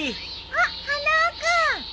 あっ花輪君。